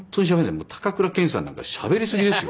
もう高倉健さんなんかしゃべり過ぎですよ。